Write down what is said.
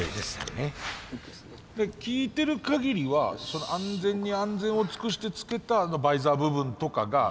聞いてるかぎりは安全に安全を尽くしてつけたあのバイザー部分とかがむしろ。